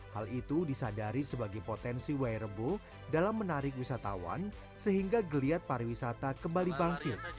hal itu disadari sebagai potensi wairebo dalam menarik wisatawan sehingga geliat pariwisata kembali bangkit